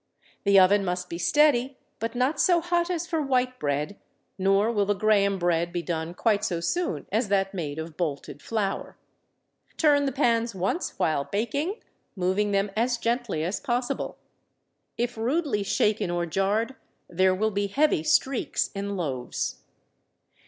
The oven must be steady, but not so hot as for white bread, nor will the Graham bread be done quite so soon as that made of bolted flour. Turn the pans once while baking, moving them as gently as possible. If rudely shaken or jarred, there will be heavy streaks in the loaves.